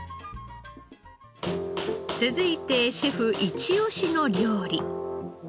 続いてシェフイチオシの料理。